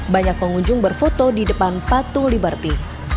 banyak pengunjung berfoto di depan patu liberty